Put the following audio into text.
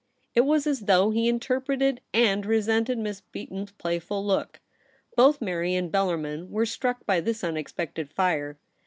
It was as though he interpreted and resented Miss Beaton's playful look. Both Mary and Bel larmin were struck by this unexpected fire.